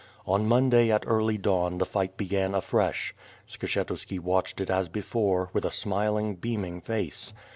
On Monday at early dawn the fight began afresh. Skshetuski watched it as be fore, with a smiling, beaming face.